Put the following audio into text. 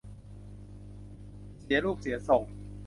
เสียรูปเสียทรง